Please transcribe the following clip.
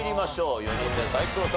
４人目斎藤さん